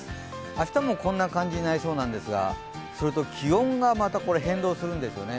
明日もこんな感じになりそうなんですが、それと気温がまた変動するんですよね。